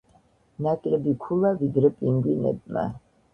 ნაკლები ქულა, ვიდრე პინგვინებმა.